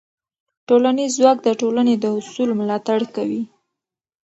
ټولنیز ځواک د ټولنې د اصولو ملاتړ کوي.